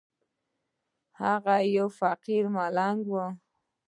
هغه يو فقير ملنگ و.